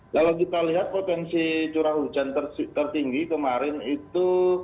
kalau kita lihat potensi curah hujan tertinggi kemarin itu